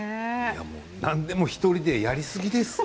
なんでも１人でやりすぎです。